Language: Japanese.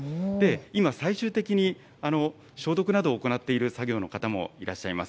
今、最終的に、消毒などを行っている作業の方もいらっしゃいます。